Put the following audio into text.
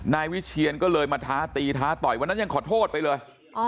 นายวิเชียนก็เลยมาท้าตีท้าต่อยวันนั้นยังขอโทษไปเลย